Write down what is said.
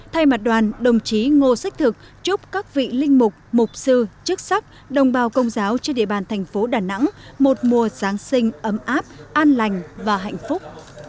thay mặt đoàn đồng chí ngô xích thực chúc các vị linh mục mục sư chức sắc đồng bào công giáo trên địa bàn thành phố đà nẵng một mùa giáng sinh ấm áp an lành và hạnh phúc